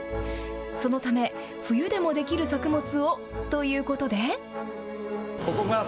そのため、冬でも出来る作物をということで。